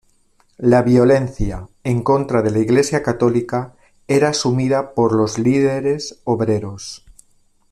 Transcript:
La violencia en contra de la Iglesia Católica era asumida por los líderes obreros.